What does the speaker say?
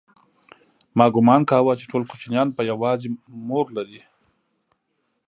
ما گومان کاوه چې ټول کوچنيان به يوازې مور لري.